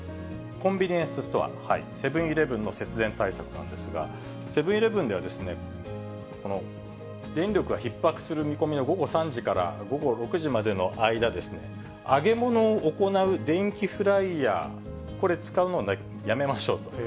コンビニエンスストア、セブンーイレブンの節電対策なんですが、セブンーイレブンでは、電力がひっ迫する見込みの午後３時から午後６時までの間、揚げ物を行う電気フライヤー、これ、使うのをやめましょうと。